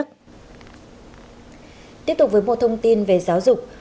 tiếp tục với một thông tin về giáo dục